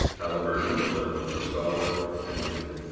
Haliburton was at once a scholar and a wit.